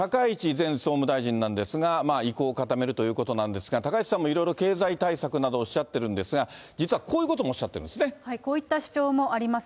前総務大臣なんですが、意向を固めるということなんですが、高市さんもいろいろ経済対策などをおっしゃってるんですが、実はこういうこともおっしゃってこういった主張もあります。